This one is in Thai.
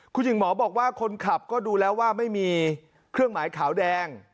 คุณหญิงหมอบอกว่าคนขับก็ดูแล้วว่าไม่มีเครื่องหมายขาวแดง